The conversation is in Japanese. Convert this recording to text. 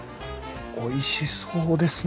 おいしそうですね。